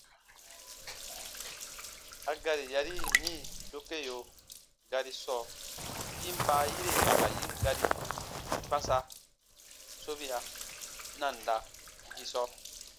A gari yari yini dokeo gari sɔɔ, yin baayire ka yin gari: kpãsa- sobia- nanda-gisɔ.